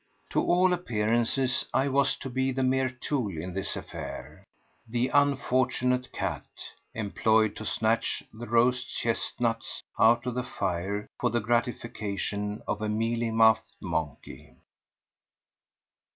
To all appearances I was to be the mere tool in this affair, the unfortunate cat employed to snatch the roast chestnuts out of the fire for the gratification of a mealy mouthed monkey.